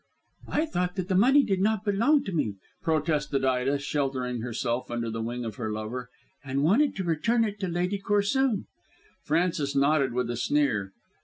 "I thought that the money did not belong to me," protested Ida, sheltering herself under the wing of her lover, "and wanted to return it to Lady Corsoon." Frances nodded with a sneer.